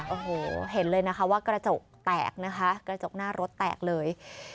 โอ้โหเห็นเลยนะคะว่ากระจกแตกนะคะกระจกหน้ารถแตกเลย